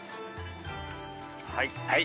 はい。